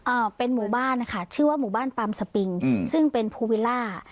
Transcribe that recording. อ่าเป็นหมู่บ้านนะคะชื่อว่าหมู่บ้านปามสปิงอืมซึ่งเป็นภูวิลล่า